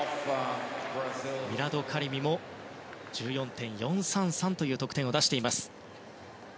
ミラド・カリミも１４．４３３という得点です。